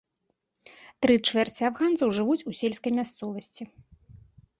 Тры чвэрці афганцаў жывуць у сельскай мясцовасці.